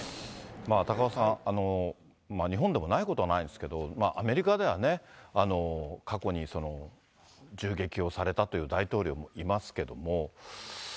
高岡さん、日本でもないことはないんですけれども、アメリカではね、過去に、銃撃をされたという大統領もいますけども。